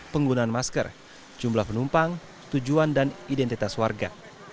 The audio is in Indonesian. penggunaan masker jumlah penumpang tujuan dan identitas warga